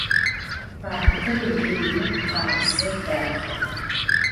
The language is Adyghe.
Parkır yinı, khabze, daxe.